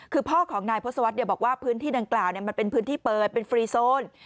คือพ่อของนายพศวรรษบอกว่าพื้นที่ดังกล่าวมันเป็นพื้นที่เปิดเป็นฟรีโซน